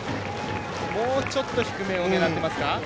もうちょっと低めを狙ってますか。